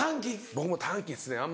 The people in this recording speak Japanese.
僕も短気ですね